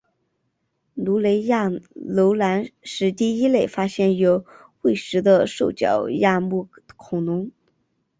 卢雷亚楼龙是第一类发现有胃石的兽脚亚目恐龙。